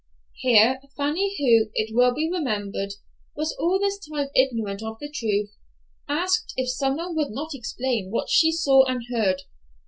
Here, Fanny, who, it will be remembered, was all this time ignorant of the truth, asked if some one would not explain what she saw and heard.